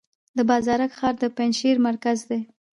د بازارک ښار د پنجشیر مرکز دی